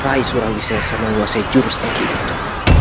rai surawisai sama luasnya jurus negeri itu